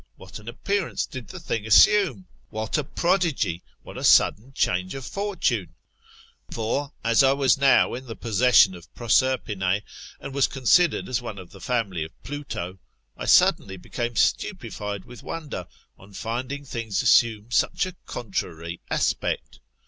what an appearance did the thing assume ! what a prodigy ! what a sudden change of my fortune ! For, as I was now in the possession of Proserpine, and was considered as one of the family of Pluto, I suddenly became stupefied with wonder, on finding things assume such a contrary aspect.